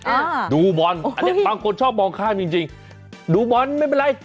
อ่าดูบอลอันนี้บางคนชอบมองข้ามจริงจริงดูบอลไม่เป็นไร